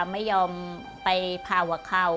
ไม่ยอมไปพาหัวเข้า